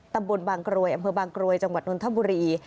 ตำบลบางกรวยอำเภอบางกรวยจังหวัดนทบุรี